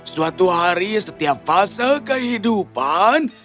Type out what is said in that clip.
suatu hari setiap fase kehidupan